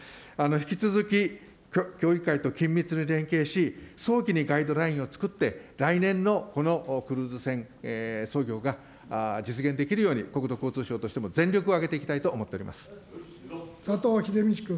引き続き、協議会と緊密に連携し、早期にガイドラインをつくって、来年のこのクルーズ船操業が実現できるように、国土交通省としても全力を挙げていきたいと思って佐藤英道君。